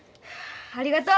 ありがとう。